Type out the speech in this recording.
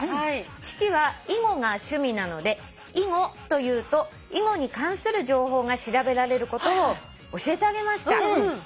「父は囲碁が趣味なので『囲碁』と言うと囲碁に関する情報が調べられることを教えてあげました」